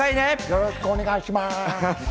よろしくお願いします。